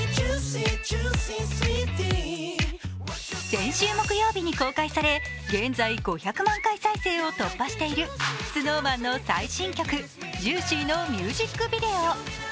先週木曜日に公開され現在、５００万回再生を突破しているＳｎｏｗＭａｎの最新曲「ＪＵＩＣＹ」のミュージックビデオ。